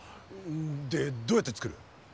でどうやってつくる？